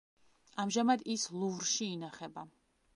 ამჟამად ის ლუვრში ინახება.